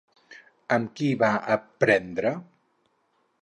Amb qui va aprendre?